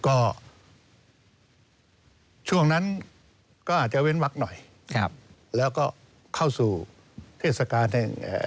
ก็ช่วงนั้นก็อาจจะเว้นวักหน่อยครับแล้วก็เข้าสู่เทศกาลแห่งเอ่อ